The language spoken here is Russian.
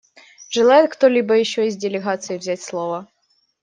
Желает кто-либо еще из делегаций взять слово?